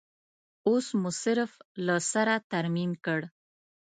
اوس مو صرف له سره ترمیم کړ.